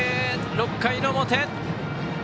６回の表！